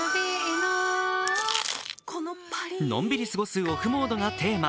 のんびり過ごすオフモードがテーマ。